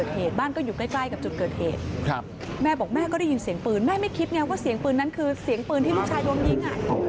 เห็นไงว่าเสียงปืนนั้นคือเสียงปืนที่ลูกชายรวมยิง